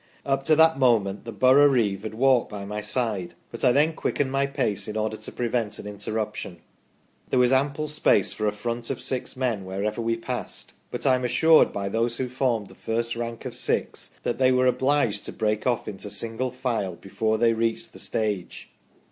Up to that moment the Boroughreeve had walked by my side, but I then quickened my pace in order to prevent an interruption. There was ample space for a front of six men where ever we passed, but I am assured by those who formed the first rank of six that they were obliged to break off into single file before they reached the stage.